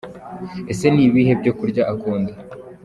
Ese ni ibihe byo kurya akunda?.